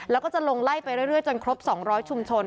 แล้วก็จะลงไล่ไปเรื่อยจนครบ๒๐๐ชุมชน